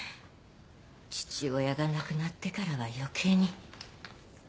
父親が亡くなってからは余計に。